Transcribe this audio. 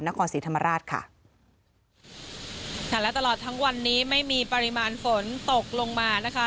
นครศรีธรรมราชค่ะและตลอดทั้งวันนี้ไม่มีปริมาณฝนตกลงมานะคะ